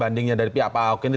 bandingnya dari pihak pak ahok ini